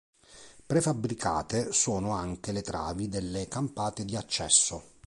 Prefabbricate sono anche le travi delle campate di accesso.